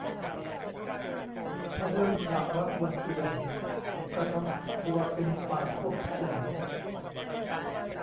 พอเริ่มฉากรักบนเตียงก็ทำตัวเป็นฝ่ายควบคุม